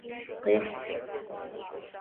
Khih!